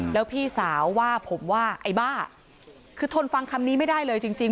แล้วพี่สาวว่าผมว่าไอ้บ้าคือทนฟังคำนี้ไม่ได้เลยจริงจริง